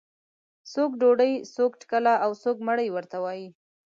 څوک ډوډۍ، څوک ټکله او څوک مړۍ ورته وایي.